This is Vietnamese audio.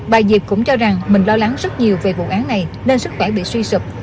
bà diệp cũng cho rằng mình lo lắng rất nhiều về vụ án này nên sức khỏe bị suy sụp